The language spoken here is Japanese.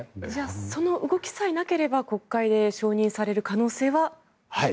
その動きさえなければ国会で承認される可能性は。